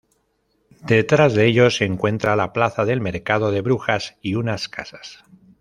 Detrás de ellos se encuentra la plaza del mercado de Brujas y unas casas.